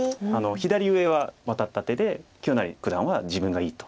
左上はワタった手で清成九段は自分がいいと。